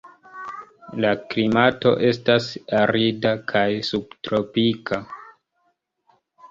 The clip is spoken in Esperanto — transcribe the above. La klimato estas arida kaj subtropika.